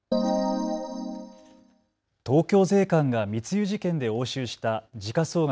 東京税関が密輸事件で押収した時価総額